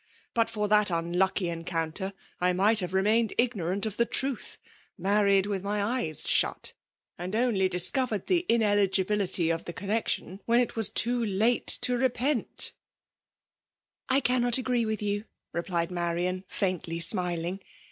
But for that unlucky en counter, I might have remained ignorant of the truths — ^married with my eyes shut, — vad only discovered the ineligibility of the con nexion> when it was too late to repent T " I cannot agree with you/' replied Marian, &intly smiling.